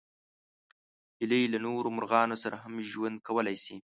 هیلۍ له نورو مرغانو سره هم ژوند کولی شي